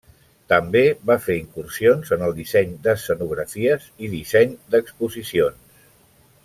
També va fer incursions en el disseny d'escenografies i disseny d'exposicions.